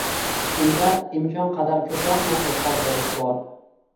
Unda imkon qadar ko’proq nasl qoldirish bor